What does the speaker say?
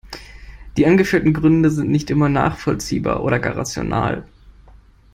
Die angeführten Gründe sind nicht immer nachvollziehbar oder gar rational.